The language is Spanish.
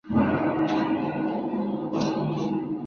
Nacida como Ines Nikolić en Šibenik, Croacia y creció en Partido.